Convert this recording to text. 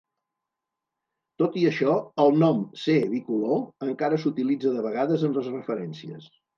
Tot i això, el nom "C. bicolor" encara s'utilitza de vegades en les referències.